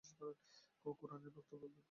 কুরআনের বক্তব্যের ব্যাপ্তিই এর প্রমাণ।